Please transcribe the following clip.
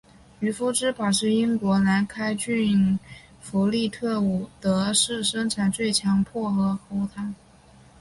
渔夫之宝是英国兰开夏郡弗利特伍德市生产的强劲薄荷喉糖。